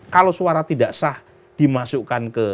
kalau suara tidak sah dimasukkan ke